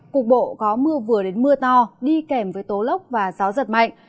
cục bộ có mưa vừa đến mưa to đi kèm với tố lốc và gió giật mạnh